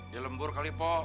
ya lembur kali pok